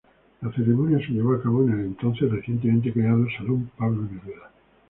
La ceremonia se llevó a cabo en el entonces recientemente creado Salón Pablo Neruda.